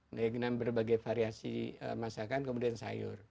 dengan berbagai variasi masakan kemudian sayur